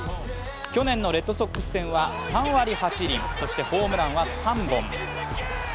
去年のレッドソックス戦は３割８厘、そしてホームランは３本。